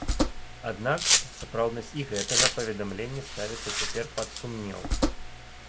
Аднак, сапраўднасць і гэтага паведамлення ставіцца цяпер пад сумнеў.